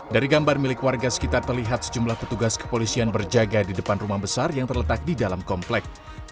dari gambar milik warga sekitar terlihat sejumlah petugas kepolisian berjaga di depan rumah besar yang terletak di dalam komplek